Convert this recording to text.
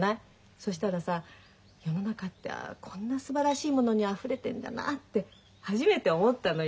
そしたらさ世の中ってあこんなすばらしいものにあふれてんだなって初めて思ったのよ。